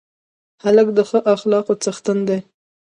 هلک د ښه اخلاقو څښتن دی.